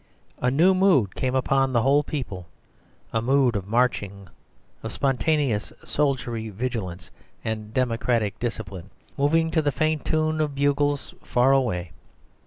A new mood came upon the whole people; a mood of marching, of spontaneous soldierly vigilance and democratic discipline, moving to the faint tune of bugles far away.